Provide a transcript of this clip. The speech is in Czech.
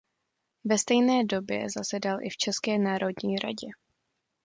Ve stejné době zasedal i v České národní radě.